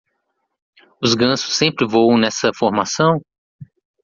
Os gansos sempre voam nessa formação?